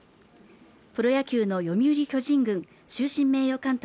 プロ野球の読売巨人軍終身名誉監督